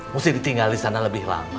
mesti ditinggal di sana lebih lama